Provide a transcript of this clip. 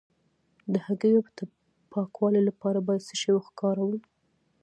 د هګیو د پاکوالي لپاره باید څه شی وکاروم؟